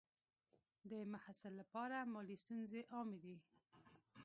د محصل لپاره مالي ستونزې عامې دي.